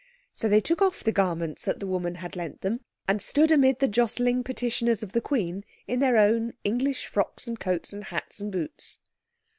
So they took off the garments that the woman had lent them and stood amid the jostling petitioners of the Queen in their own English frocks and coats and hats and boots.